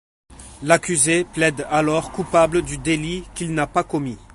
L’accusé plaide alors coupable du délit qu’il n’a pas commis.